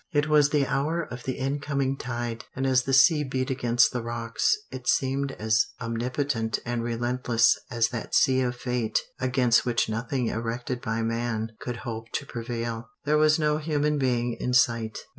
It was the hour of the in coming tide, and as the sea beat against the rocks it seemed as omnipotent and relentless as that sea of fate against which nothing erected by man could hope to prevail. There was no human being in sight.